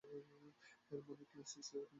এর মানে class six থেকে তুমি আমার ক্রাশ।